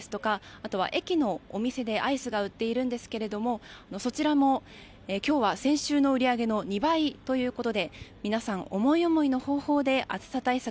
あとは、駅のお店でアイスが売っているんですがそちらも今日は先週の売り上げの２倍ということで皆さん、思い思いの方法で暑さ対策